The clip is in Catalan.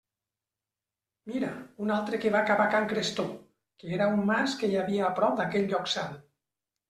«Mira, un altre que va cap a can Crestó», que era un mas que hi havia a prop d'aquell lloc sant.